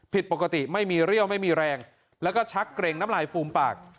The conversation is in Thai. ผิดปกติไม่มีเรี่ยวไม่มีแรงแล้วก็ชักเกร็งน้ำลายฟูมปาก